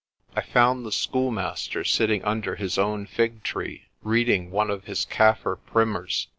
I found the schoolmaster sitting under his own figtree reading one of his Kaffir primers.